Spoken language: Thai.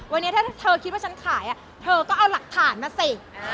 วันนี้ถ้าเธอคิดว่าฉันขายเธอก็เอาหลักฐานมาสิ